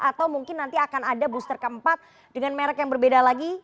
atau mungkin nanti akan ada booster keempat dengan merek yang berbeda lagi